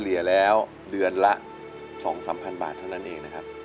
เลียแล้วเดือนละ๒๓๐๐บาทเท่านั้นเองนะครับ